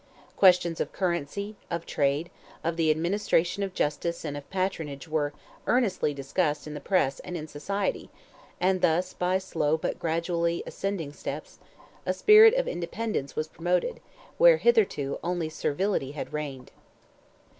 Questions of currency, of trade, of the administration of justice and of patronage, were earnestly discussed in the press and in society, and thus by slow but gradually ascending steps, a spirit of independence was promoted where hitherto only servility had reigned.